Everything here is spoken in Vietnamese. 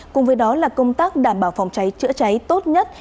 cùng với đó là công tác đảm bảo phòng cháy chữa cháy tốt nhất